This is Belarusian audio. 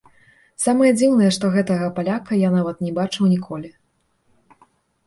Самае дзіўнае, што гэтага паляка я нават не бачыў ніколі.